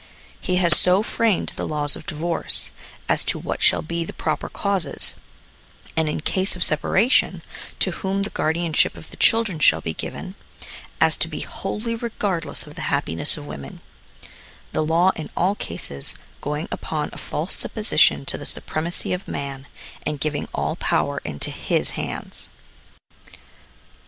Man a Usurper. 71 He has so framed the laws of divorce, as to what shall be the proper causes, and in case of separation, to whom the guardianship of the children shall be given, as to be wholly regardless of the happiness ol women ŌĆö the law, in all cases, going upon a false supposition of the suprem acy of man, and giving all power into his hands.